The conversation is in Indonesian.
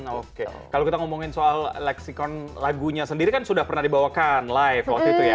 nah oke kalau kita ngomongin soal lexicon lagunya sendiri kan sudah pernah dibawakan live waktu itu ya